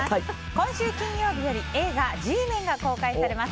今週金曜日より映画「Ｇメン」が公開されます。